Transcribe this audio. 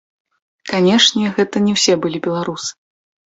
Канечне, гэта не ўсе былі беларусы.